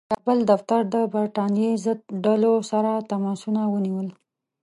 د کابل دفتر د برټانیې ضد ډلو سره تماسونه ونیول.